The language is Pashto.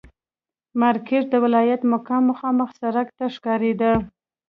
مارکېټ د ولایت مقام مخامخ سړک ته ښکارېده.